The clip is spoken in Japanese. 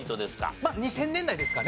まあ２０００年代ですかね。